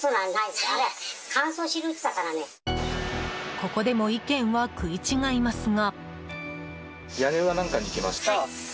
ここでも意見は食い違いますが。